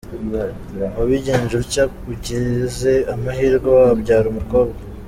Wabigenje utya, ugize amahirwe wabyara umukobwa.